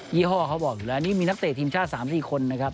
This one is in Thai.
ี่ห้อเขาบอกอยู่แล้วนี่มีนักเตะทีมชาติ๓๔คนนะครับ